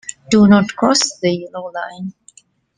Do not cross the yellow line.